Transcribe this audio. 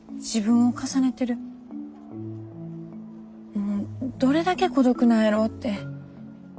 もうどれだけ孤独なんやろって。